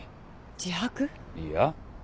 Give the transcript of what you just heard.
自白？いいや。